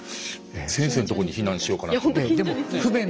先生のところに避難しようかなと思う。